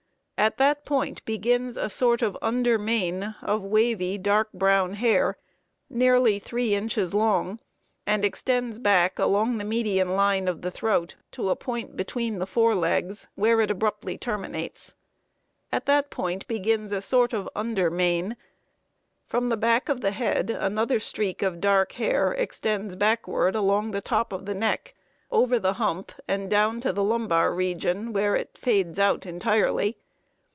At that point begins a sort of under mane of wavy, dark brown hair, nearly 3 inches long, and extends back along the median line of the throat to a point between the fore legs, where it abruptly terminates. From the back of the head another streak of dark hair extends backward along the top of the neck, over the hump, and down to the lumbar region, where it fades out entirely.